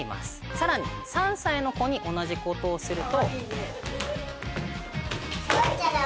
さらに３歳の子に同じことをすると。